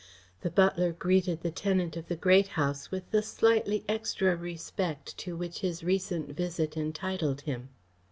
The butler greeted the tenant of the Great House with the slightly extra respect to which his recent visit entitled him.